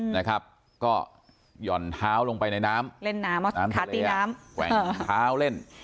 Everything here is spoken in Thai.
นะครับก็หย่อนเท้าลงไปในน้ำเล่นน้ำขาตีน้ำแกว่งเท้าเล่น